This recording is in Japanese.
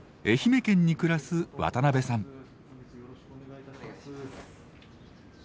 愛媛県に暮らす渡部さん。